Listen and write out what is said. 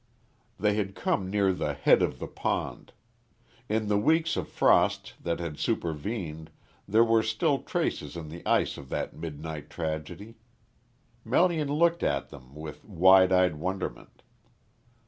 They had come near the head of the pond. In the weeks of frost that had supervened there were still traces in the ice of that midnight tragedy. Melian looked at them with wide eyed wonderment.